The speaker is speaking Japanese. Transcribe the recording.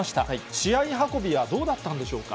試合運びはどうだったんでしょうか。